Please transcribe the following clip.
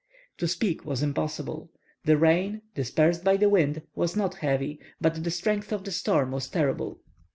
To speak was impossible. The rain, dispersed by the wind, was not heavy, but the strength of the storm was terrible.